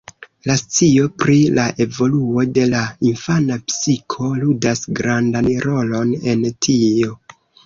La scio pri la evoluo de la infana psiko ludas grandan rolon en tio.